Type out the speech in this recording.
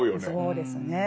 そうですね。